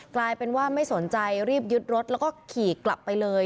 กลายเป็นว่าไม่สนใจรีบยึดรถแล้วก็ขี่กลับไปเลย